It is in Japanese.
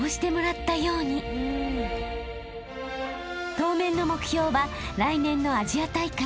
［当面の目標は来年のアジア大会］